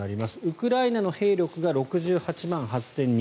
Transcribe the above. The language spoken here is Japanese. ウクライナの兵力が６８万８０００人